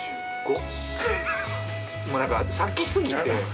もうなんか先すぎて。